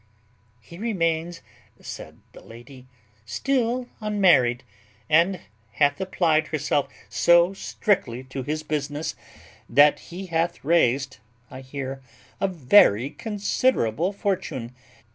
He remains, said the lady, still unmarried, and hath applied himself so strictly to his business, that he hath raised, I hear, a very considerable fortune.